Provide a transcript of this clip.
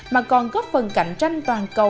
mà còn góp phần cạnh tranh toàn cầu